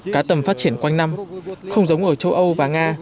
cá tầm phát triển quanh năm không giống ở châu âu và nga